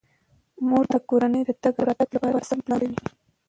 مور د کورنۍ د تګ او راتګ لپاره سم پلان جوړوي.